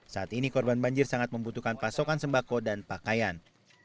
saat ini korban banjir sangat membutuhkan pasokan sembako dan pakaian